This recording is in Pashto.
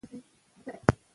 ورزش د زړه ناروغیو خطر کموي.